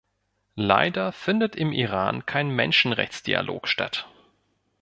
Leider findet im Iran kein Menschenrechtsdialog statt.